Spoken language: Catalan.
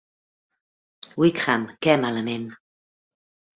Wickham, què malament"